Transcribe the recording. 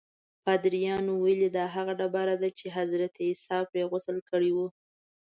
پادریانو ویلي دا هغه ډبره ده چې حضرت عیسی پرې غسل کړی و.